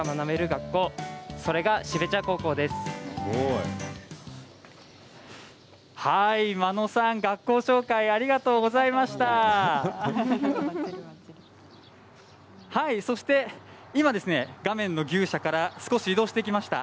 学校紹介ありがとうございました。